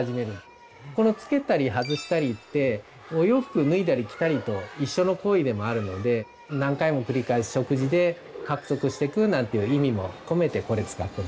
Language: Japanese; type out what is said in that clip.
このつけたり外したりってお洋服を脱いだり着たりと一緒の行為でもあるので何回も繰り返す食事で獲得していくなんていう意味も込めてこれ使ってます。